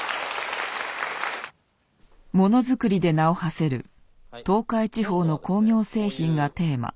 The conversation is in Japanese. ものづくりで名をはせる東海地方の工業製品がテーマ。